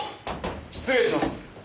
失礼します。